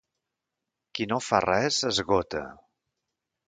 Qui no fa res, esgota.